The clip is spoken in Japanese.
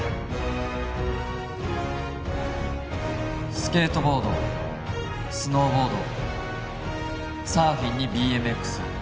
スケートボードスノーボードサーフィンにＢＭＸ